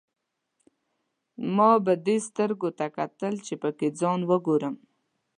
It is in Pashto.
ما به دې سترګو ته کتل، چې پکې ځان وګورم.